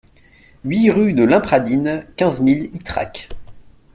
huit rue de l'Impradine, quinze mille Ytrac